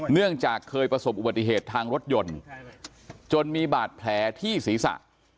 เนื่องจากเคยประสบอุบัติเหตุทางรถยนต์จนมีบาดแผลที่ศีรษะ